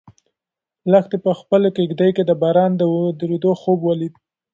لښتې په خپلې کيږدۍ کې د باران د ورېدو خوب ولید.